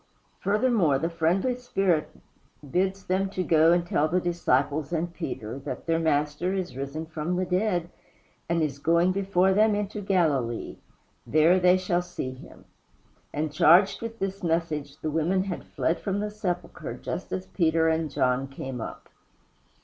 Furthermore, the friendly spirit bids them to go and tell the disciples and Peter that their Master is risen from the dead, and is going before them into Galilee there shall they see him. And charged with this message the women had fled from the sepulchre just as Peter and John came up.